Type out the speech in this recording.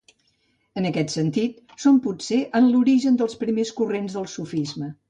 En aquest sentit, són potser en l'origen dels primers corrents del sufisme.